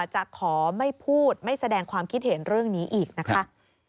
จะขอไม่พูดไม่แสดงความคิดเห็นเรื่องนี้อีกนะคะ